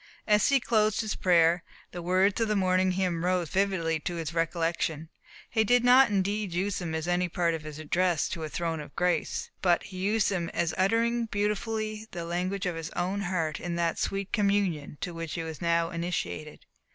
As he closed his prayer, the words of the morning hymn rose vividly to his recollection; he did not indeed use them as any part of his address to a throne of grace, but he used them as uttering beautifully the language of his own heart in that sweet communion to which he was now initiated.